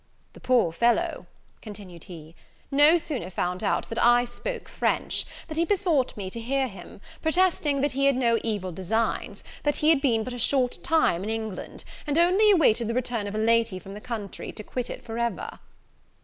"The poor fellow," continued he, "no sooner found that I spoke French, than he besought me to hear him, protesting that he had no evil designs; that he had been but a short time in England, and only waited the return of a lady from the country to quit it for ever."